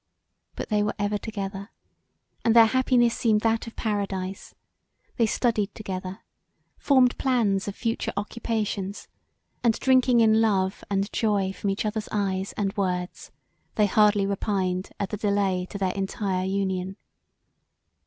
But they were ever together and their happiness seemed that of Paradise: they studied together: formed plans of future occupations, and drinking in love and joy from each other's eyes and words they hardly repined at the delay to their entire union.